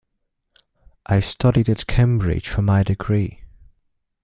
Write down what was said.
I studied at Cambridge for my degree.